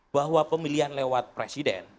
bahwa pemilihan lewat presiden